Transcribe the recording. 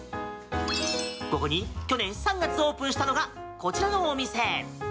ここに、去年３月にオープンしたのがこちらのお店。